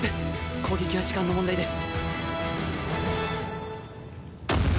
攻撃は時間の問題です。